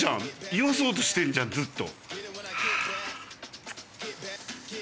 言わそうとしてるじゃんずっと。